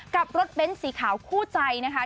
กับรถเบ้นสีขาวคู่ใจนะคะ